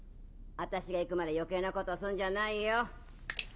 私が行くまで余計なことをするんじゃないよ。